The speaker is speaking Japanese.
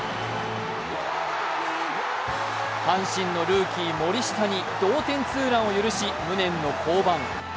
阪神のルーキー・森下に同点ツーランを許し、無念の降板。